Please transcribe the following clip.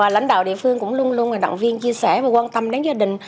lãnh đạo địa phương cũng luôn luôn động viên chia sẻ và quan tâm đến gia đình